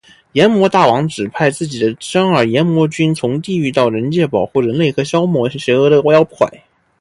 阎魔大王指派自己的甥儿炎魔君从地狱到人界保护人类和消灭邪恶的妖怪。